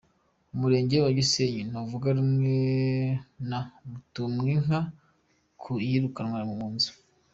Umurenge wa Gisenyi ntuvuga rumwe na Mutumwinka ku iyirukanwa mu nzu